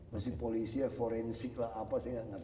masih polisi ya forensik lah apa